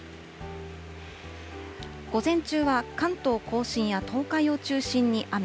午前中は関東甲信や東海を中心に雨。